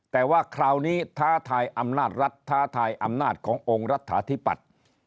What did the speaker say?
แต่ว่าคราวนี้ท้าทายอำนาจรัฐท้าทายอำนาจขององค์รัฐาธิปัตย์